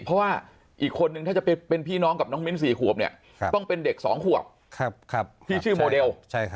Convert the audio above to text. เพราะว่าอีกคนนึงถ้าจะเป็นพี่น้องกับน้องมิ้น๔ขวบเนี่ยต้องเป็นเด็ก๒ขวบที่ชื่อโมเดล